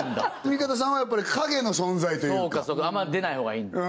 見方さんはやっぱり陰の存在というかあんま出ない方がいいんだ